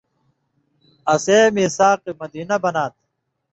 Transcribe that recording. ،اَسے میثاق مدینہ بناں تھہ۔